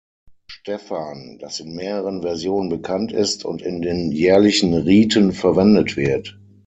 Stephan, das in mehreren Versionen bekannt ist und in den jährlichen Riten verwendet wird.